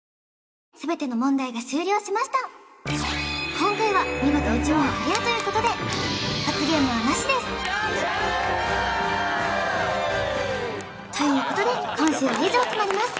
今回は見事１問クリアということで罰ゲームはなしですやったー！ということで今週は以上となります